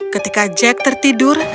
ketika jack tertidur